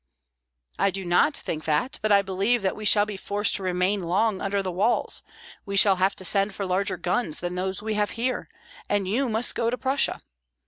"I do not think that, but I believe that we shall be forced to remain long under the walls, we shall have to send for larger guns than those we have here, and you must go to Prussia.